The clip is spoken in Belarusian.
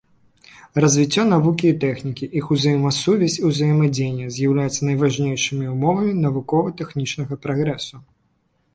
Развіццё навукі і тэхнікі, іх узаемасувязь і ўзаемадзеянне з'яўляюцца найважнейшымі ўмовамі навукова-тэхнічнага прагрэсу.